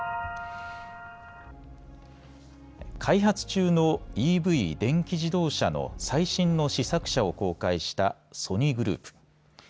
開発中のＥＶ・電気自動車の最新の試作車を公開したソニーグループ。